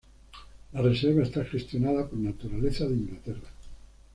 La reserva está gestionada por Naturaleza de Inglaterra